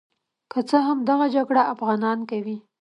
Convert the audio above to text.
که څه هم دغه جګړه افغانان کوي.